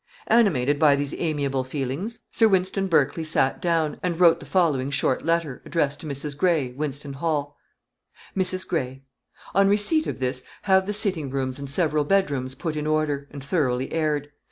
Animated by these amiable feelings, Sir Wynston Berkley sate down, and wrote the following short letter, addressed to Mrs. Gray, Wynston Hall: "Mrs. Gray, "On receipt of this have the sitting rooms and several bedrooms put in order, and thoroughly aired.